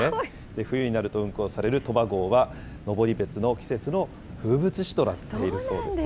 冬になると運行されるとば号は、登別の季節の風物詩となっているそうなんですよ。